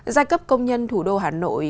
giai cấp công nhân thủ đô hà nội